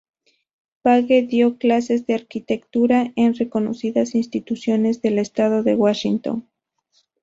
Page dio clases de arquitectura en reconocidas instituciones del Estado de Washington.